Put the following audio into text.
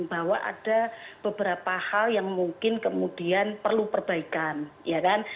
bahwa ada beberapa hal yang mungkin kemudian perlu perbaikan